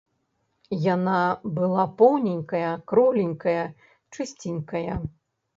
Яна была поўненькая, кругленькая, чысценькая.